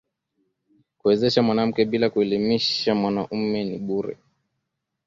Kuwezesha mwanamke bila kuelimisha mwanaume ni bure